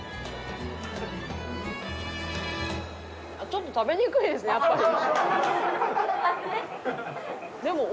ちょっと食べにくいですねやっぱり。